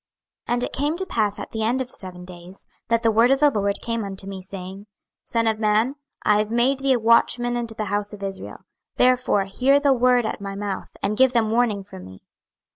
26:003:016 And it came to pass at the end of seven days, that the word of the LORD came unto me, saying, 26:003:017 Son of man, I have made thee a watchman unto the house of Israel: therefore hear the word at my mouth, and give them warning from me.